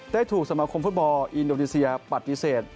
ได้ถูกสมคมฟุตบอลอินโดนีเซียปัดพิเศษ